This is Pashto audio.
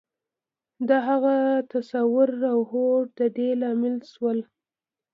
د هغه تصور او هوډ د دې لامل شول.